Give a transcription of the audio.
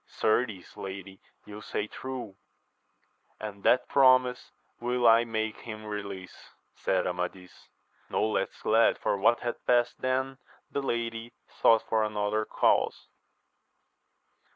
Certes, lady, you say true, and that promise will I make him release, said Amadis ; no less glad for what had past than the lady, though for another cause.